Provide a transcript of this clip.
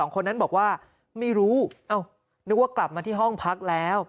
คนนั้นบอกว่าไม่รู้นึกว่ากลับมาที่ห้องพักแล้ว